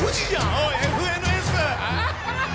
おい、ＦＮＳ。